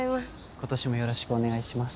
今年もよろしくお願いします